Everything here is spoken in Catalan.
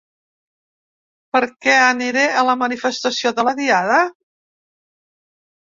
Per què aniré a la manifestació de la Diada?